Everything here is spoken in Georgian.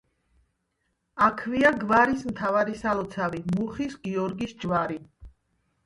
აქვეა გვარის მთავარი სალოცავი მუხის გიორგის ჯვარი.